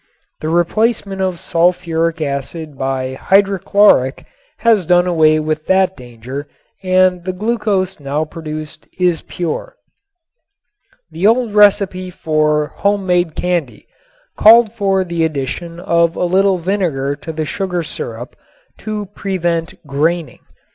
The replacement of sulfuric acid by hydrochloric has done away with that danger and the glucose now produced is pure. The old recipe for home made candy called for the addition of a little vinegar to the sugar syrup to prevent "graining."